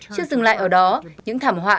trước dừng lại ở đó những thảm họa